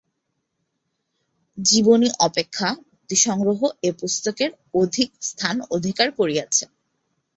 জীবনী অপেক্ষা উক্তি-সংগ্রহ এ পুস্তকের অধিক স্থান অধিকার করিয়াছে।